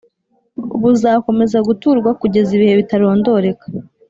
buzakomeza guturwa kugeza ibihe bitarondoreka